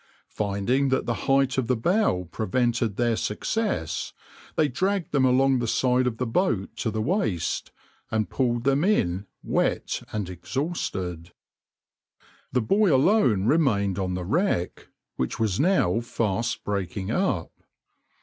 Finding that the height of the bow prevented their success, they dragged them along the side of the boat to the waist, and pulled them in wet and exhausted.\par The boy alone remained on the wreck, which was now fast breaking up.